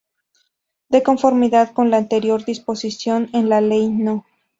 De conformidad con la anterior disposición, en la Ley No.